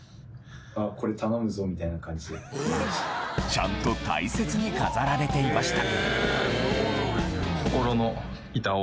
ちゃんと大切に飾られていました